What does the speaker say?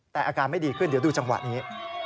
แต่อาการไม่ดีขึ้นเดี๋ยวดูจังหวะนี้